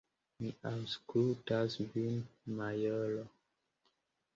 Mi aŭskultas vin, majoro!